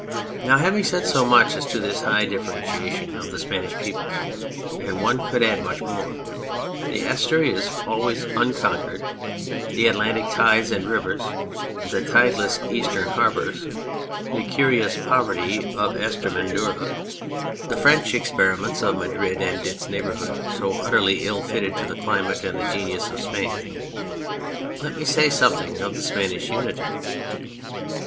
Now, having said so much as to this high differ entiation of the Spanish people (and one could add much more : the Asturias, always unconquered ; the Atlantic tides and rivers, the tideless Eastern har bours, the curious poverty of Estremadura ; the 231 On Anything French experiments of Madrid and its neighbour hood, so utterly ill fitted to the climate and the genius of Spain), let me say something of the Spanish unity.